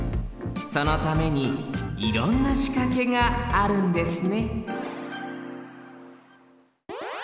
そのためにいろんなしかけがあるんですね